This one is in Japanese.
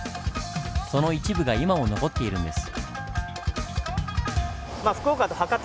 その一部が今も残っているんです。